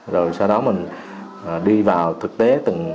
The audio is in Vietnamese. rồi sau đó mình đi vào thực tế